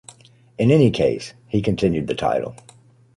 In any case, he continued the title.